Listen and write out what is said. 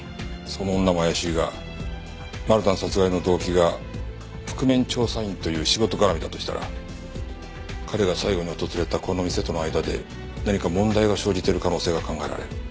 その女も怪しいがマルタン殺害の動機が覆面調査員という仕事絡みだとしたら彼が最後に訪れたこの店との間で何か問題が生じている可能性が考えられる。